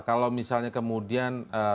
kalau misalnya kemudian